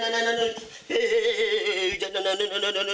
ฉายฉายเราต้องยิงพุธให้สุดฮะ